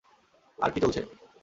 আর কী চলছে?